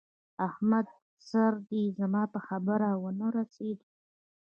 احمده! سر دې زما په خبره و نه رسېدی!